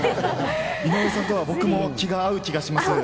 井上さんとは僕は気が合う気がします。